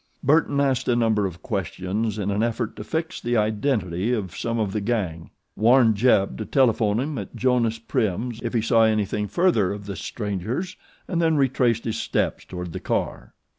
Burton asked a number of questions in an effort to fix the identity of some of the gang, warned Jeb to telephone him at Jonas Prim's if he saw anything further of the strangers, and then retraced his steps toward the car.